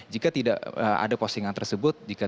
jika tidak ada postingan tersebut